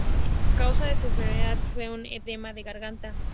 La causa de su enfermedad fue un edema de garganta.